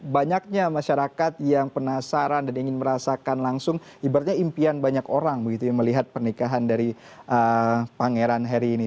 banyaknya masyarakat yang penasaran dan ingin merasakan langsung ibaratnya impian banyak orang melihat pernikahan dari pangeran harry ini